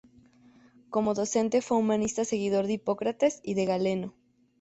Como docente fue un humanista seguidor de Hipócrates y de Galeno.